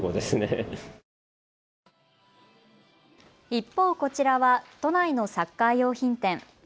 一方、こちらは都内のサッカー用品店。